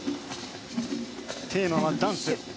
テーマはダンス。